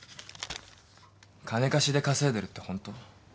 金貸しで稼いでるってほんと？